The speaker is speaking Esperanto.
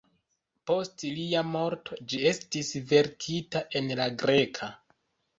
Post lia morto ĝi estis verkita en la greka.